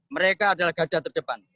mereka adalah garda terdepan